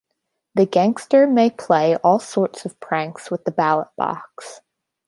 The gangster may play all sorts of pranks with the ballot box.